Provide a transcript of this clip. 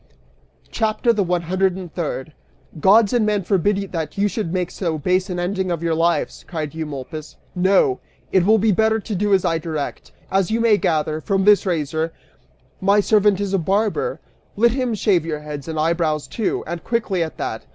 CHAPTER THE ONE HUNDRED AND THIRD. "Gods and men forbid that you should make so base an ending of your lives," cried Eumolpus. "No! It will be better to do as I direct. As you may gather, from his razor, my servant is a barber: let him shave your heads and eyebrows, too, and quickly at that!